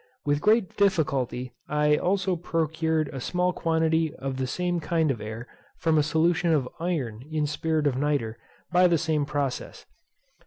With great difficulty I also procured a small quantity of the same kind of air from a solution of iron in spirit of nitre, by the same process.